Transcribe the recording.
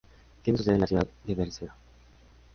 Tiene su sede en la ciudad de Beerseba.